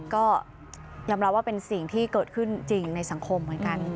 ก็ยอมรับว่าเป็นสิ่งที่เกิดขึ้นจริงในสังคมเหมือนกัน